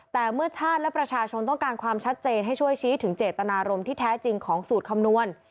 แต่เมื่อชาติและประชาชนต้องการความชัดเจนให้ช่วยชี้ถึงเจตนารมณ์ที่แท้จริงของสูตรคำนวณ